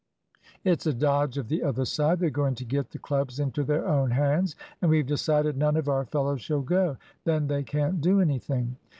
"It's a dodge of the other side. They're going to get the clubs into their own hands, and we've decided none of our fellows shall go. Then they can't do anything."